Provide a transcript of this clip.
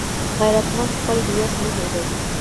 غیرتمند خپل هویت نه هېروي